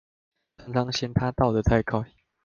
常常嫌牠到得太快